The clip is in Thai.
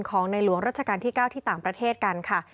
ของในหลวงรัชกาลที่๙ที่ต่างประเทศกันค่ะ